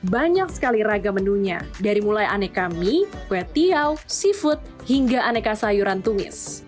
banyak sekali raga menunya dari mulai aneka mie kue tiau seafood hingga aneka sayuran tumis